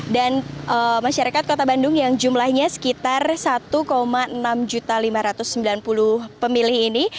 dan masyarakat kota bandung yang jumlahnya sekitar satu enam lima ratus sembilan puluh pemilih ini